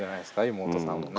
妹さんもね。